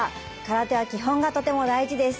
空手は基本がとても大事です。